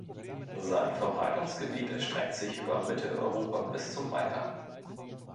Sein Verbreitungsgebiet erstreckt sich über Mitteleuropa bis zum Balkan.